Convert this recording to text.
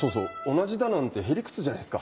同じだなんてヘリクツじゃないですか。